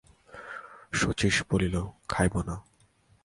শচীশ বলিল, খাইব না।